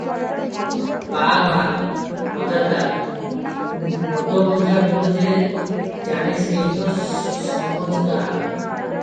‘ବାହାବା ମଜାଦାର! ମଦ ଗଞ୍ଜା ଗୁଣ ଯେ ଜାଣେ ସେଇ ତ ସମଜଦାର ।